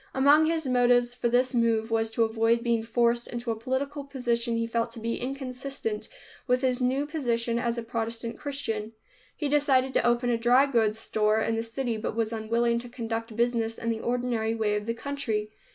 Among his motives for this move was to avoid being forced into a political position he felt to be inconsistent with his new position as a Protestant Christian. He decided to open a dry goods store in the city, but was unwilling to conduct business in the ordinary way of the country.